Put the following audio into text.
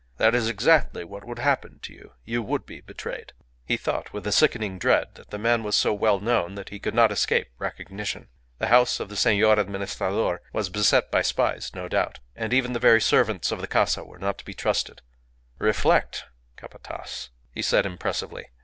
"That is exactly what would happen to you. You would be betrayed." He thought with a sickening dread that the man was so well known that he could not escape recognition. The house of the Senor Administrador was beset by spies, no doubt. And even the very servants of the casa were not to be trusted. "Reflect, Capataz," he said, impressively.